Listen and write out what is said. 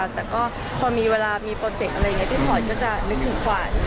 แต่ก็พอมีเวลามีโปรเจกต์อะไรอย่างนี้พี่ฉอยก็จะนึกถึงขวัญ